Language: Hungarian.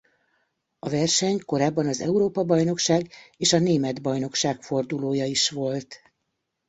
A verseny korábban az Európa-bajnokság és a Német Bajnokság fordulója is volt.